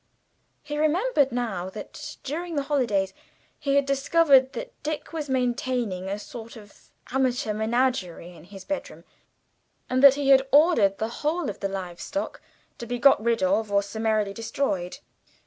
He remembered now that during the holidays he had discovered that Dick was maintaining a sort of amateur menagerie in his bedroom, and that he had ordered the whole of the livestock to be got rid of or summarily destroyed.